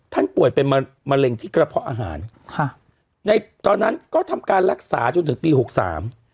ป่วยเป็นมะมะเร็งที่กระเพาะอาหารค่ะในตอนนั้นก็ทำการรักษาจนถึงปีหกสาม